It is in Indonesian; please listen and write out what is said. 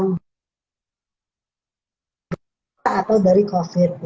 vaksin covid atau dari covid